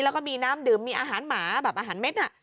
แล้วก็มีน้ำดื่มมีอาหารหมาแบบอาหารเม็ดน่ะ